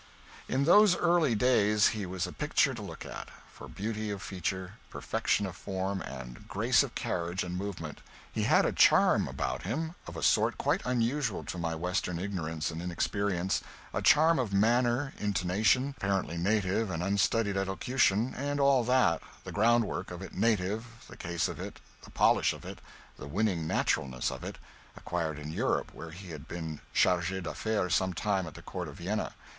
In those earlier days he was a picture to look at, for beauty of feature, perfection of form and grace of carriage and movement. He had a charm about him of a sort quite unusual to my Western ignorance and inexperience a charm of manner, intonation, apparently native and unstudied elocution, and all that the groundwork of it native, the ease of it, the polish of it, the winning naturalness of it, acquired in Europe where he had been Chargé d'Affaires some time at the Court of Vienna.